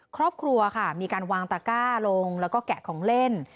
ครอบครัวค่ะมีการวางตะก้าลงแล้วก็แกะของเล่น